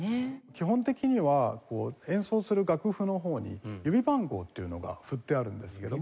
基本的には演奏する楽譜のほうに指番号というのが振ってあるんですけども。